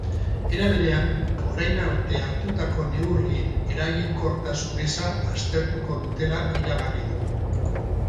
Era berean, orain arte hartutako neurrien eraginkortasun eza aztertuko dutela iragarri du.